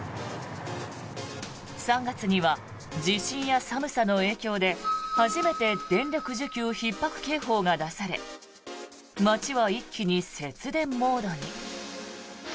３月には地震や寒さの影響で初めて電力需給ひっ迫警報が出され街は、一気に節電モードに。